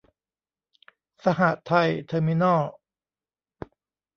สหไทย เทอร์มินอล